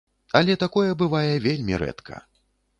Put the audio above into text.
Але такое бывае вельмі рэдка.